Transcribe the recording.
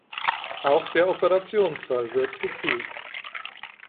Auch der Operationssaal wird gekühlt.